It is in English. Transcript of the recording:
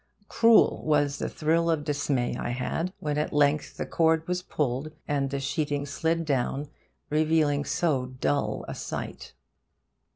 Cruel was the thrill of dismay I had when at length the cord was pulled and the sheeting slid down, revealing so dull a sight...